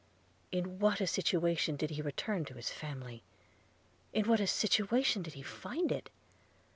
In what a situation did he return to his family! in what a situation did he find it!